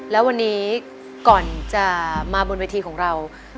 แล้ววันนี้ก่อนจะมาบนเวทีของเรา